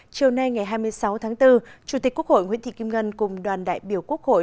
chiều nay ngày hai mươi sáu tháng bốn chủ tịch quốc hội nguyễn thị kim ngân cùng đoàn đại biểu quốc hội